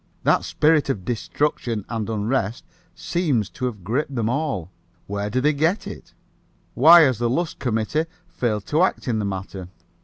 That spirit of destruction and unrest seems to have gripped them all. Where do they get it? Why has the Lusk committee failed to act in the matter?